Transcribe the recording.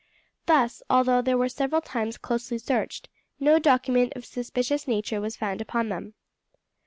Thus, although they were several times closely searched, no document of a suspicious nature was found upon them.